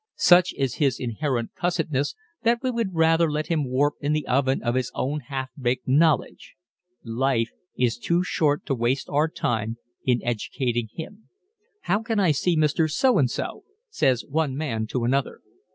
Such is his inherent cussedness that we would rather let him warp in the oven of his own half baked knowledge. Life is too short to waste our time in educating him. "How can I see Mr. So and so?" says one man to another.